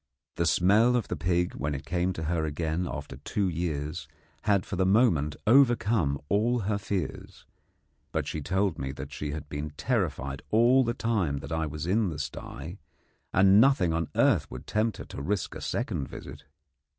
The smell of the pig when it came to her again after two years had for the moment overcome all her fears; but she told me that she had been terrified all the time that I was in the sty, and nothing on earth would tempt her to risk a second visit.